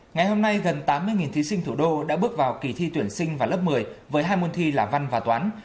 ngày hôm nay gần tám mươi thí sinh thủ đô đã bước vào kỳ thi tuyển sinh vào lớp một mươi với hai môn thi là văn và toán